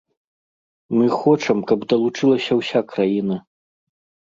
Мы хочам, каб далучылася ўся краіна.